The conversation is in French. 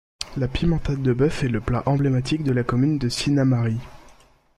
La pimentade de bœuf est le plat emblématique de la commune de Sinnamary.